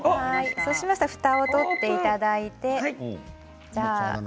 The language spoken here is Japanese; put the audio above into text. そしたらふたを取っていただいて。